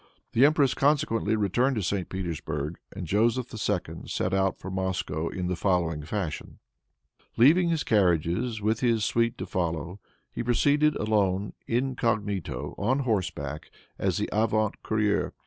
The empress, consequently, returned to St. Petersburg, and Joseph II. set out for Moscow in the following fashion: Leaving his carriages with his suite to follow, he proceeded alone, incognito, on horse back, as the avant courier.